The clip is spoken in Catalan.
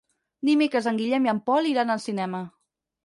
Dimecres en Guillem i en Pol iran al cinema.